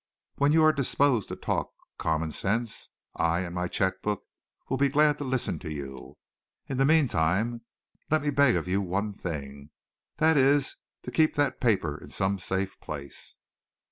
When you are disposed to talk common sense, I and my cheque book will be glad to listen to you. In the meantime, let me beg of you one thing, and that is, keep that paper in some safe place!"